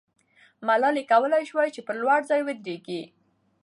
ملالۍ کولای سوای چې پر لوړ ځای ودریږي.